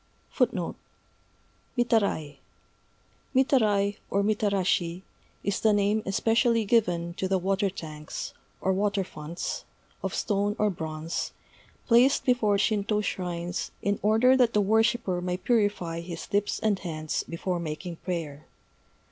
_ Mitarai. Mitarai (or mitarashi) is the name especially given to the water tanks, or water fonts of stone or bronze placed before Shintô shrines in order that the worshipper may purify his lips and hands before making prayer.